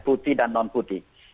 putih dan non putih